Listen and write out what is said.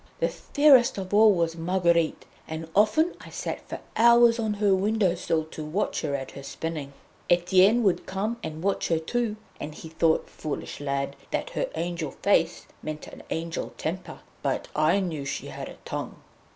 The fairest of all was Marguerite, and often I sat for hours on her window sill to watch her at her spinning. Etienne would come and watch her too, and he thought, foolish lad, that her angel face meant an angel temper; but I knew she had a tongue.